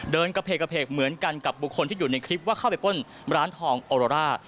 กระเพกกระเพกเหมือนกันกับบุคคลที่อยู่ในคลิปว่าเข้าไปป้นร้านทองออโรร่า